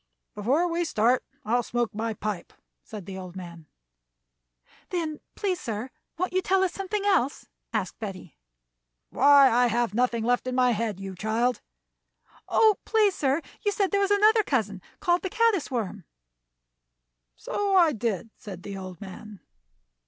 "Before we start on I'll smoke my pipe," said the old man. "Then, please, sir, won't you tell us something else?" asked Betty. "Why, I have nothing left in my head, you child." "Oh, please, sir, you said there was another cousin called the caddis worm." "So I did," said the old man.